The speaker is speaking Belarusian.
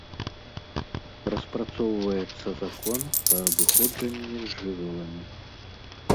Распрацоўваецца закон па абыходжанні з жывёламі.